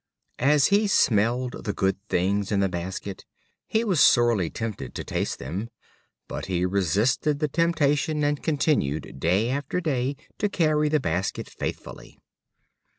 As he smelled the good things in the basket, he was sorely tempted to taste them, but he resisted the temptation and continued day after day to carry the basket faithfully.